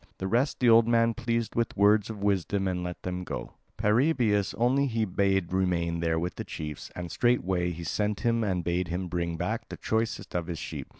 The rest the old man pleased with words of wisdom and let them go; Paraebius only he bade remain there with the chiefs; and straightway he sent him and bade him bring back the choicest of his sheep.